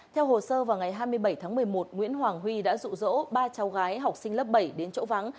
theo hồ sơ vào ngày hai mươi bảy tháng một mươi một nguyễn hoàng huy đã rụ rỗ ba cháu gái học sinh lớp bảy đến chỗ vắng